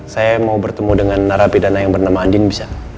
saya mau bertemu dengan narapidana yang bernama andin bisa